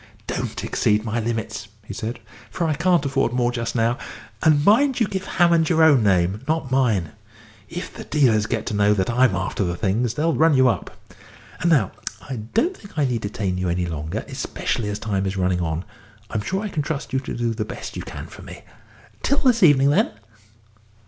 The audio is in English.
"Don't exceed my limits," he said, "for I can't afford more just now; and mind you give Hammond your own name, not mine. If the dealers get to know I'm after the things, they'll run you up. And now, I don't think I need detain you any longer, especially as time is running on. I'm sure I can trust you to do the best you can for me. Till this evening, then."